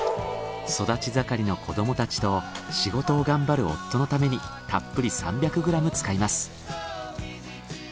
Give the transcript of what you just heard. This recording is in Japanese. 育ち盛りの子どもたちと仕事を頑張る夫のためにたっぷり３００ｇ使います。